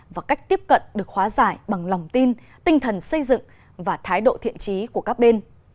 và cách tiếp cận được hóa giải bằng lòng tin tinh thần xây dựng và thái độ thiện trí của các bên